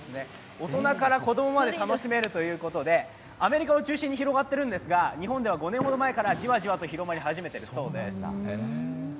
大人から子供まで楽しめるということでアメリカを中心に広がっているんですが日本では５年前からじわじわと広がり始めています。